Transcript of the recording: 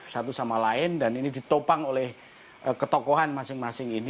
satu sama lain dan ini ditopang oleh ketokohan masing masing ini